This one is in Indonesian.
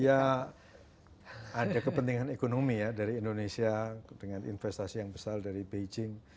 ya ada kepentingan ekonomi ya dari indonesia dengan investasi yang besar dari beijing